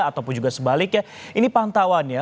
atau pun juga sebaliknya ini pantauannya